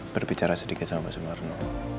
berbicara sedikit sama pak sumarno